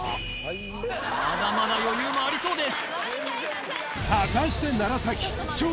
まだまだ余裕もありそうです